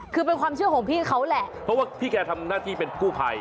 คือเป็นความเชื่อของพี่เขาแหละเพราะว่าพี่แกทำหน้าที่เป็นกู้ภัย